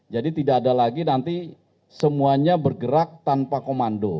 jadi tidak ada lagi nanti semuanya bergerak tanpa komando